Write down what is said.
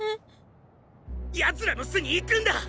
⁉奴らの巣に行くんだ！